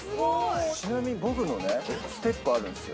ちなみに僕のね、ステップあるんですよ。